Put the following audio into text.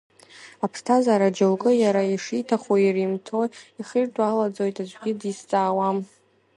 Аԥсҭазаара џьоукы иара ишиҭаху иримҭои, ихиртәалаӡоит, аӡәгьы дизҵаауам!